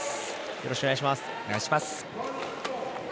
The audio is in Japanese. よろしくお願いします。